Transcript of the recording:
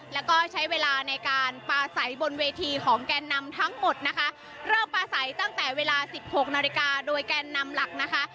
แล้วก็ใช้เวลาในการปลาใสบนเวทีของแกนนำทั้งหมดนะคะเริ่มปลาใสตั้งแต่เวลาสิบหกนาฬิกาโดยแกนนำหลักนะคะ